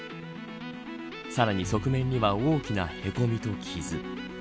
さらに側面には大きなへこみと傷。